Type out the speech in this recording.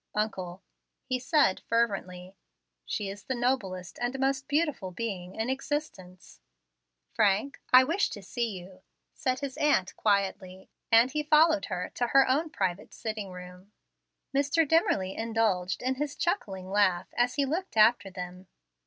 "Uncle," he said, fervently, "she is the noblest and most beautiful being in existence." "Frank, I wish to see you," said his aunt, quietly; and he followed her to her own private sitting room. Mr. Dimmerly indulged in his chuckling laugh as he looked after them.